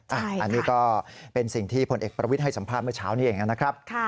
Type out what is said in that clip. อันนี้ก็เป็นสิ่งที่พลเอกประวิทย์ให้สัมภาษณ์เมื่อเช้านี้เองนะครับ